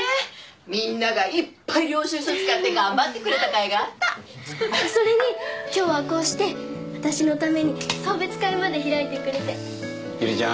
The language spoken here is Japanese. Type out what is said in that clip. みんながいっぱい領収書使って頑張ってくれたかいがあったそれに今日はこうして私のために送別会まで開いてくれて百合ちゃん